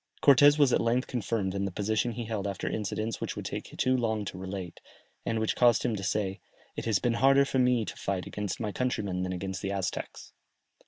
Cortès was at length confirmed in the position he held after incidents which would take too long to relate, and which caused him to say, "It has been harder for me to fight against my countrymen than against the Aztecs."